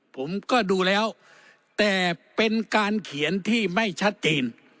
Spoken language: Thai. ผมก็ดูแล้วแต่เป็นการเขียนที่ไม่ชัดเจน